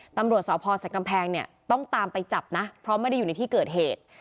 ตำรวจสพสักกำแพงเนี่ยต้องตามไปจับนะเพราะไม่ได้อยู่ในที่เกิดเหตุ